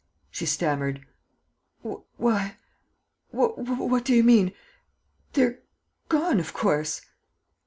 She stammered: "Why, what do you mean? ... They're gone, of course!